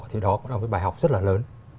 thì đó cũng là một bài học rất là lớn